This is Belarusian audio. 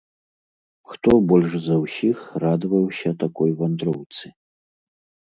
Хто больш за ўсіх радаваўся такой вандроўцы?